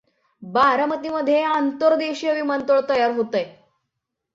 बारामती मध्ये आंतर्देशीय विमानतळ तयार होत आहे.